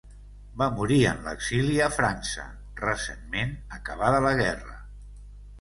Va morir en l'exili a França, recentment acabada la guerra.